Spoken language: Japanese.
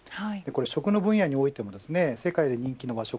食の分野においても世界で人気の和食